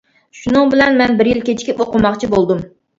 شۇنىڭ بىلەن مەن بىر يىل كېچىكىپ ئوقۇماقچى بولدۇم.